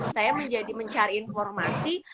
saya menjadi mencari informasi